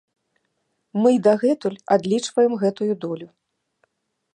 Мы і дагэтуль адлічваем гэтую долю.